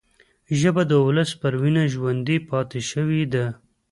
ژبه د ولس پر وینه ژوندي پاتې شوې ده